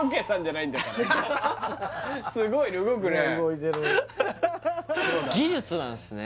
すごいね動くね